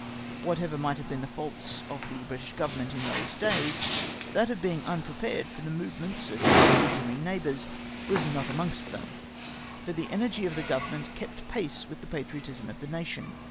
Whatever might have been the faults of the British Government in those days, that of being unprepared for the movements of revolutionary neighbours was not amongst them, for the energy of the Government kept pace with the patriotism of the nation.